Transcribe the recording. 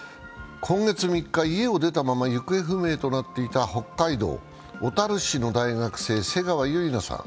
今月３日家を出たまま行方不明となっていた北海道小樽市の大学生瀬川結菜さん。